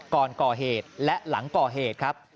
ก่อนก่อเหตุและหลังก่อเหตุครับ